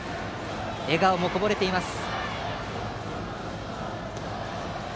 笑顔もこぼれています。